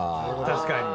確かに。